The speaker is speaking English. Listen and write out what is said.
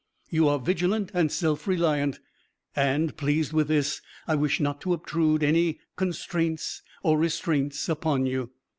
You are vigilant and self reliant, and, pleased with this, I wish not to obtrude any constraints or restraints upon you.